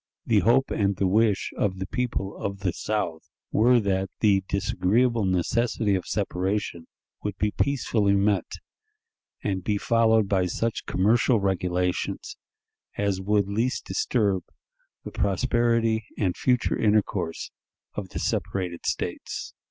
The hope and the wish of the people of the South were that the disagreeable necessity of separation would be peacefully met, and be followed by such commercial regulations as would least disturb the prosperity and future intercourse of the separated States.